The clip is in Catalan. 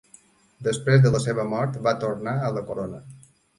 Després de la seva mort, va tornar a la corona.